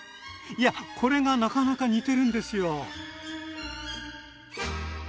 いやこれがなかなか似てるんですよ！